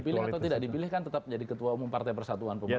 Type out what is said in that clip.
dipilih atau tidak dipilih kan tetap jadi ketua umum partai persatuan pembangunan